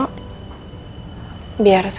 aku mau pergi ke sana